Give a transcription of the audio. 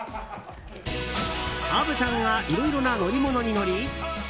虻ちゃんがいろいろな乗り物に乗り